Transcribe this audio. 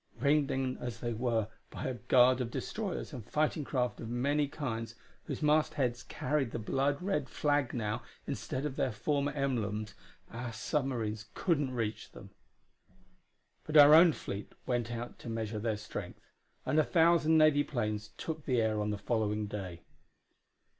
Ringed in as they were by a guard of destroyers and fighting craft of many kinds, whose mast heads carried the blood red flag now instead of their former emblems, our submarines couldn't reach them. But our own fleet went out to measure their strength, and a thousand Navy planes took the air on the following day.